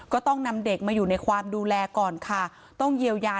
ก็ต้องนำเด็กมาอยู่ในความดูแลก่อนค่ะต้องเยียวยา